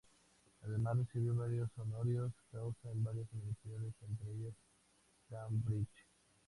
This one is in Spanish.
Además, recibió varios Honoris Causa en varias universidades, entre ellas Cambridge.